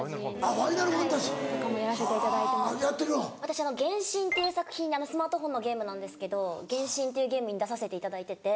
私『原神』って作品スマートフォンのゲームなんですけど『原神』っていうゲームに出させていただいてて。